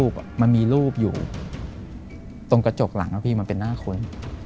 ตรงกระจกหลังเอาพี่มันเป็นหน้าคน